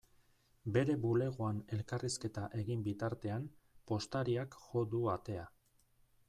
Bere bulegoan elkarrizketa egin bitartean, postariak jo du atea.